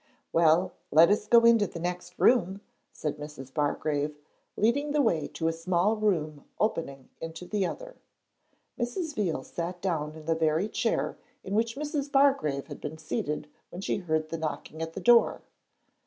'Well, let us go into the next room,' said Mrs. Bargrave, leading the way to a small room opening into the other. Mrs. Veal sat down in the very chair in which Mrs. Bargrave had been seated when she heard the knocking at the door.